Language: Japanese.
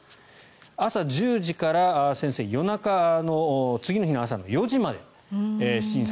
朝１０時から先生は夜中の次の日の朝の４時まで診察。